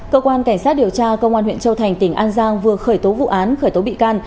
cơ quan cảnh sát điều tra công an huyện châu thành tỉnh an giang vừa khởi tố vụ án khởi tố bị can